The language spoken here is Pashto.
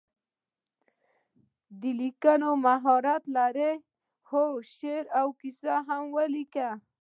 د لیکنې مهارت لرئ؟ هو، شعر او کیسې لیکم